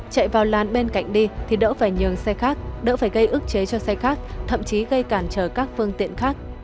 chạy vào làn bên cạnh đi thì đỡ phải nhường xe khác đỡ phải gây ức chế cho xe khác thậm chí gây cản trở các phương tiện khác